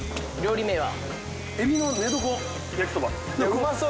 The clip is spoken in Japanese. うまそう！